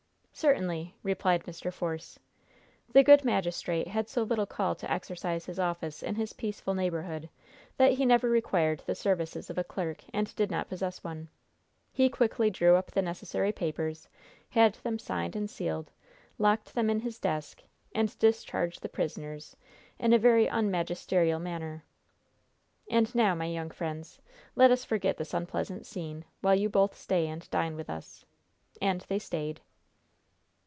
"Certainly," replied Mr. Force. The good magistrate had so little call to exercise his office in his peaceful neighborhood that he never required the services of a clerk, and did not possess one. He quickly drew up the necessary papers, had them signed and sealed, locked them in his desk, and discharged the prisoners in a very unmagisterial manner. "And now, my young friends, let us forget this unpleasant scene, while you both stay and dine with us." And they stayed.